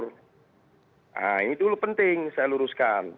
nah ini dulu penting saya luruskan